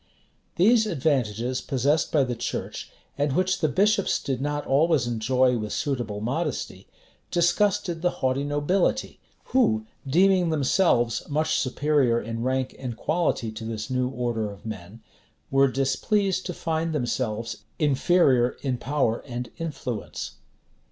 These advantages, possessed by the church, and which the bishops did not always enjoy with suitable modesty, disgusted the haughty nobility, who, deeming themselves much superior in rank and quality to this new order of men, were displeased to find themselves inferior in power and influence.